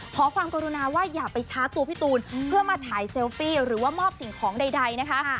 ขอความกรุณาว่าอย่าไปช้าตัวพี่ตูนเพื่อมาถ่ายเซลฟี่หรือว่ามอบสิ่งของใดนะคะ